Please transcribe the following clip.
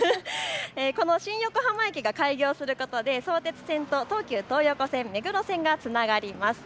この新横浜駅が開業することで相鉄線と東急東横線、目黒線がつながります。